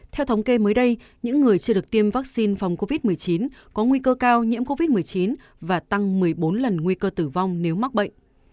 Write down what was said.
theo thống kê mới đây những người chưa được tiêm vaccine phòng covid một mươi chín có nguy cơ cao nhiễm covid một mươi chín và tăng một mươi bốn lần nguy cơ tử vong nếu mắc bệnh